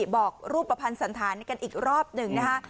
บอกรูปประพันธ์สันธารนี้กันอีกรอบหนึ่ง